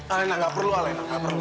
alena gak perlu alena gak perlu